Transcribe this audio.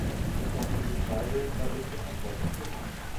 Ich hoffe, die Frage damit beantwortet zu haben.